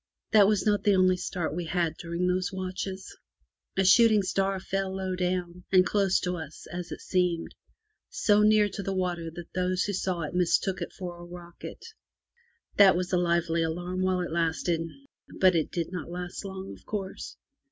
That was not the only start we had during those watches. A shooting star fell low down, and close to us (as it seemed) — so near to the water that those who saw it mistook it for a rocket. That was a lively alarm while it lasted, but it did not last long, of course.